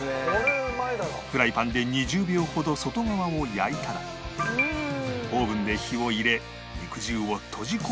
フライパンで２０秒ほど外側を焼いたらオーブンで火を入れ肉汁を閉じ込めて完成